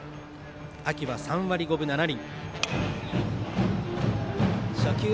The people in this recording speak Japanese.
秋は３割５分７厘。